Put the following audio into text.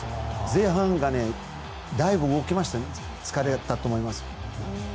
前半、だいぶ動きまして疲れたと思います。